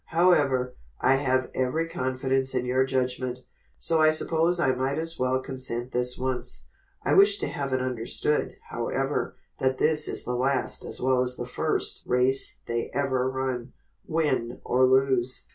However, I have every confidence in your judgment, so I suppose I might as well consent this once. I wish to have it understood, however, that this is the last as well as the first race they ever run, win or lose."